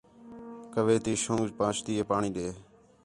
کوّے تی شنگ پہنچتی ہِے پاݨی ݙے